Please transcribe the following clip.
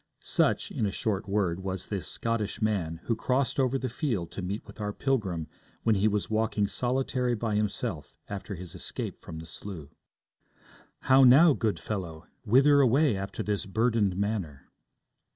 Such, in a short word, was this 'sottish man' who crossed over the field to meet with our pilgrim when he was walking solitary by himself after his escape from the slough. 'How now, good fellow? Whither away after this burdened manner?'